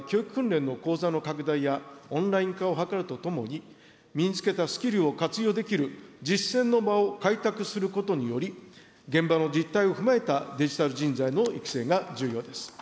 またデジタル分野については、訓練の講座の拡大や、オンライン化を図るとともに、身につけたスキルを活用できる実践の場を開拓することにより、現場の実態を踏まえたデジタル人材の育成が重要です。